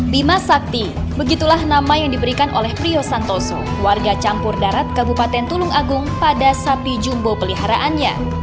bima sakti begitulah nama yang diberikan oleh prio santoso warga campur darat kabupaten tulung agung pada sapi jumbo peliharaannya